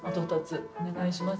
お願いします。